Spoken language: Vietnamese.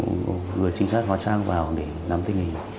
người trinh sát hóa trang vào để làm tinh hình